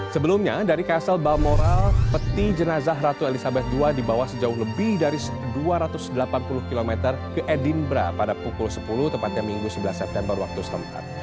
sebelumnya dari castle balmoral peti jenazah ratu elizabeth ii dibawa sejauh lebih dari dua ratus delapan puluh km ke edinbra pada pukul sepuluh tepatnya minggu sebelas september waktu setempat